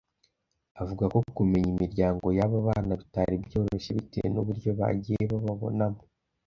Avuga ko kumenya imiryango y’aba bana bitari byoroshye bitewe n’uburyo bagiye bababonamo